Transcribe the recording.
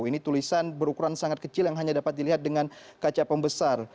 ini tulisan berukuran sangat kecil yang hanya dapat dilihat dengan kaca pembesar